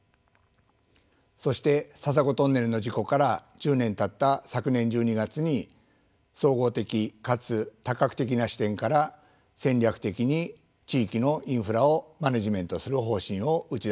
そして笹子トンネルの事故から１０年たった昨年１２月に総合的かつ多角的な視点から戦略的に地域のインフラをマネジメントする方針を打ち出しました。